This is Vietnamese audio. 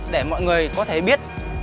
để mọi người có thể biết